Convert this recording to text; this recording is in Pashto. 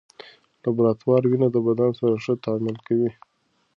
لابراتوار وینه د بدن سره ښه تعامل کوي.